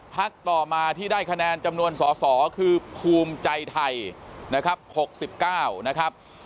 ต่อมาที่ได้คะแนนจำนวนสอสอคือภูมิใจไทยนะครับ๖๙นะครับ